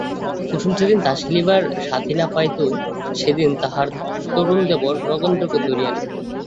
কুসুম যেদিন তাস খেলিবার সাথি না পাইত সেদিন তাহার তরুণ দেবর নগেন্দ্রকে ধরিয়া আনিত।